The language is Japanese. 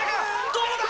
どうだ？